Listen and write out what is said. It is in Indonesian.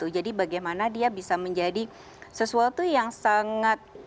jadi bagaimana dia bisa menjadi sesuatu yang sangat